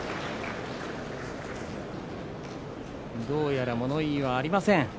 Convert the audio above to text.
どうやら物言いはありません。